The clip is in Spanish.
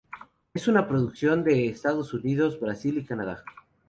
Es una producción de Estados Unidos Brasil y Canadá.